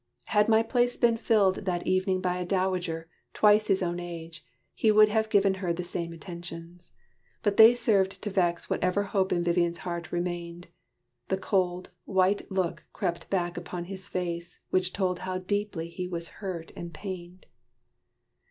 Had my place Been filled that evening by a dowager, Twice his own age, he would have given her The same attentions. But they served to vex Whatever hope in Vivian's heart remained. The cold, white look crept back upon his face, Which told how deeply he was hurt and pained.